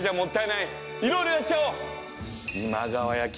いろいろやっちゃおう！